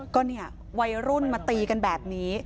ก็เนี่ยวัยรุ่นมาตีกันแบบนี้